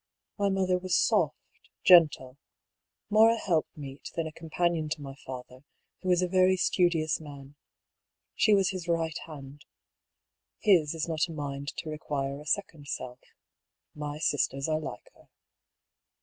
My mother was soft, gentle — more a helpmeet than a companion to my father, who is a very studious man. She was his right hand. His is not a mind to require a second self. My sisters are like her."